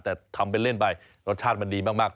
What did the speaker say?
แต่ทำเป็นเล่นไปรสชาติมันดีมาก